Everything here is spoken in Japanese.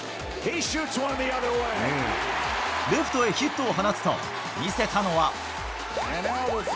レフトへヒットを放つと、見せたのは。